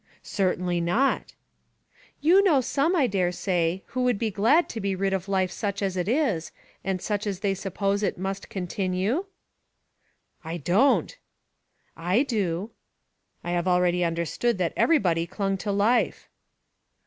"Certainly not." "You know some, I dare say, who would be glad to be rid of life such as it is, and such as they suppose it must continue?" "I don't." "I do." "I have already understood that everybody clung to life."